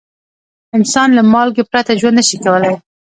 انسان له مالګې پرته ژوند نه شي کولای.